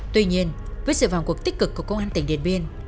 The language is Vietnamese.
tuy nhiên với sự vòng cuộc tích cực của công an tỉnh điền biên